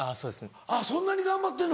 そんなに頑張ってるの。